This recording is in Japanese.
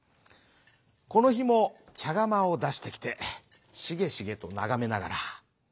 このひもちゃがまをだしてきてしげしげとながめながら。